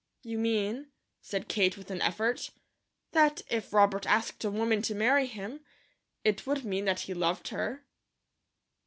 "You mean," said Kate with an effort, "that if Robert asked a woman to marry him, it would mean that he loved her."